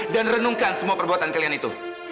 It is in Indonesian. dan renungkan semua perbuatan kalian itu